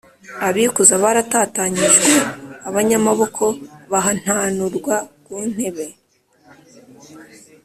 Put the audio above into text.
abikuza baratatanyijwe, abanyamaboko bahantanurwa ku ntebe